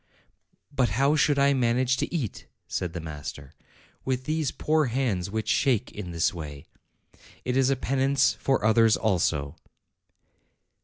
"But how should I manage to eat," said the master, "with these poor hands which shake in this way? It is a penance for others also."